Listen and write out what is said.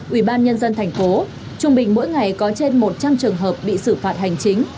ủy ban nhân dân thành phố trung bình mỗi ngày có trên một trăm linh trường hợp bị xử phạt hành chính